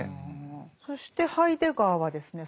そしてハイデガーはですね